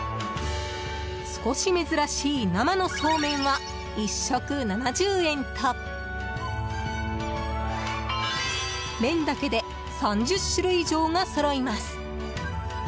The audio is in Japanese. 少し珍しい生のそうめんは１食７０円と麺だけで３０種類以上がそろいます。